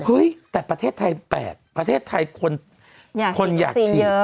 เฮ้ยแต่ประเทศไทยแปลกประเทศไทยคนอยากชิม